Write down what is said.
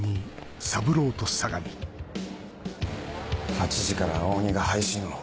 ８時から青鬼が配信を？